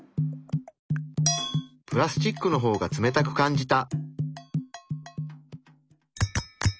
プラスチックの方が冷たく感じた。